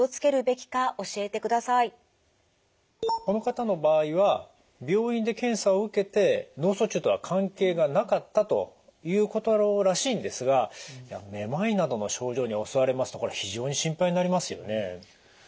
この方の場合は病院で検査を受けて脳卒中とは関係がなかったということらしいんですがめまいなどの症状に襲われますとこれ非常に心配になりますよね。